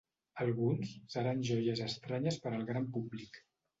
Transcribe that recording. Alguns, seran joies estranyes per al gran públic.